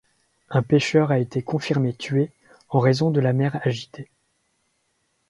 Un pêcheur a été confirmé tué en raison de la mer agitée.